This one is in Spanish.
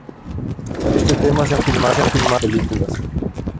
Sobre este tema se han filmado otras películas.